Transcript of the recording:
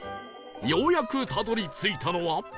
ようやくたどり着いたのは